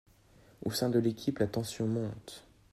Au sein de l'équipe, la tension monte.